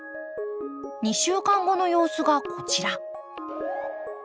２週間後の様子がこちら。